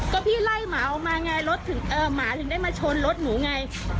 ก็พี่ไล่หมาออกมาไงรถหมาถึงได้มาชนรถหนูไง